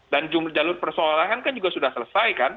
dan jumlah jalur persoalan kan juga sudah selesai kan